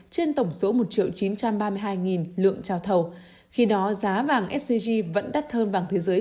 trên tổng số một chín trăm ba mươi hai lượng trao thầu khi đó giá vàng sg vẫn đắt hơn vàng thế giới